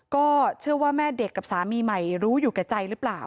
ก็เชื่อว่าแม่เด็กกับสามีใหม่รู้อยู่แก่ใจหรือเปล่า